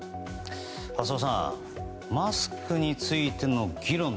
浅尾さんマスクについての議論